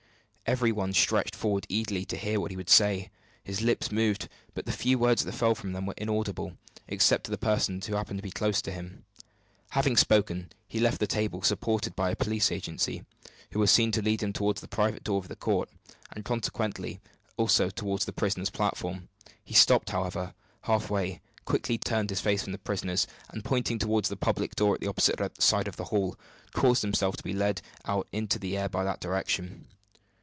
Every one stretched forward eagerly to hear what he would say. His lips moved; but the few words that fell from them were inaudible, except to the persons who happened to be close by him. Having spoken, he left the table supported by a police agent, who was seen to lead him toward the private door of the court, and, consequently, also toward the prisoners' platform. He stopped, however, halfway, quickly turned his face from the prisoners, and pointing toward the public door at the opposite side of the hall, caused himself to be led out into the air by that direction.